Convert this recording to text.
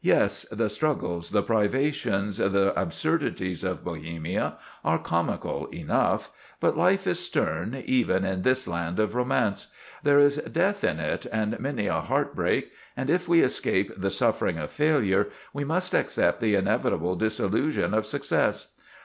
_ Yes, the struggles, the privations, the absurdities of Bohemia are comical enough; but life is stern, even in this Land of Romance; there is death in it, and many a heartbreak; and if we escape the suffering of failure, we must accept the inevitable disillusion of success.